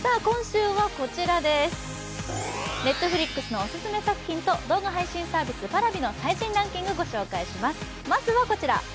Ｎｅｔｆｌｉｘのオススメ作品と、動画配信サービスＰａｒａｖｉの最新サービスをご紹介します。